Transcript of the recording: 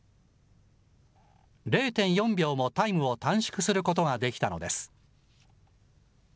０．４秒もタイムを短縮することができたのです。